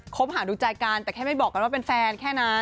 คบหาดูใจกันแต่แค่ไม่บอกกันว่าเป็นแฟนแค่นั้น